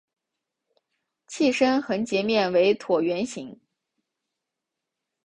器身横截面为椭圆形。